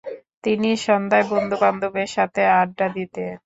তিনি সন্ধ্যায় বন্ধু-বান্ধবের সাথে আড্ডা দিতেন।